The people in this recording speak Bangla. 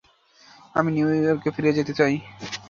আমি নিউইয়র্কে ফিরে যেতে চাই।